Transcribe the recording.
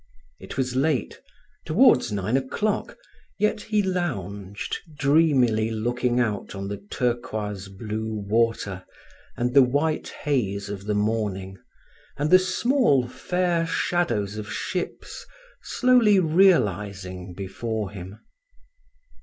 It was late, towards nine o'clock, yet he lounged, dreamily looking out on the turquoise blue water, and the white haze of morning, and the small, fair shadows of ships slowly realizing before him.